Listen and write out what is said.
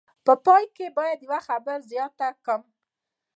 په پای کې باید یوه خبره زیاته کړم.